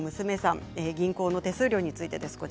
銀行の手数料についてです。